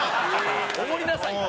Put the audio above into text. おごりなさいよ。